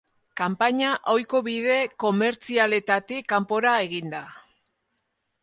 Kanpaina ohiko bide komertzialetatik kanpora egin da.